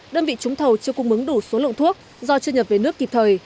đơn vị trúng thầu chưa cung ứng đủ số lượng thuốc do chưa nhập về nước kịp thời